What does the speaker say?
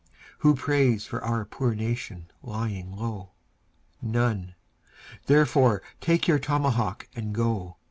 Who prays for our poor nation lying low? None therefore take your tomahawk and go.